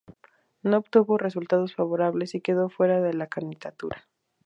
No obtuvo resultados favorables y quedó fuera de la candidatura.